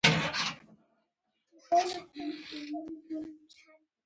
چین په خپل سیاسي او اقتصادي نظام کې نیمګړتیاوې لري.